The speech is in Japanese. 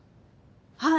はい。